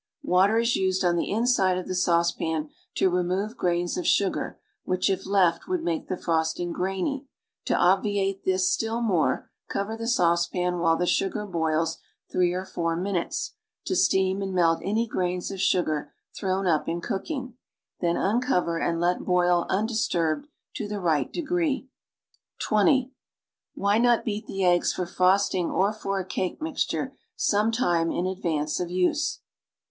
Water is used on the inside of the saucepan to remove grains of sugar which if left would make the frosting "grainy," to obviate this still more, cover the saucepan while the sugar boils three or four minutes, to steam and melt any grains of sugar thrown up in cooking, then uncover and let boil undis turbed to the right degree. 120) Wli\ jiuL beat llie eggs for frosting or fur a t ake mixture some time in advance of usc.